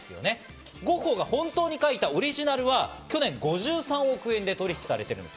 ゴッホが本当に描いたオリジナルは去年５３億円で取引されています。